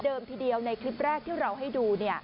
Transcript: ทีเดียวในคลิปแรกที่เราให้ดู